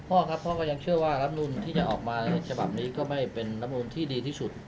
ครับพ่อก็ยังเชื่อว่ารับนูนที่จะออกมาในฉบับนี้ก็ไม่เป็นรับนูนที่ดีที่สุด